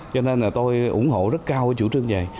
cho nên là tôi ủng hộ rất cao cái chủ trương này